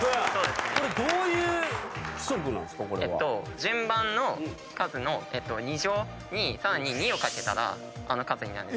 順番の数の２乗にさらに２を掛けたらあの数になるんです。